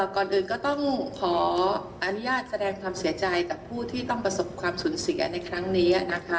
ก่อนอื่นก็ต้องขออนุญาตแสดงความเสียใจกับผู้ที่ต้องประสบความสูญเสียในครั้งนี้นะคะ